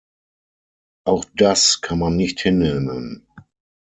Auch das kann man nicht hinnehmen.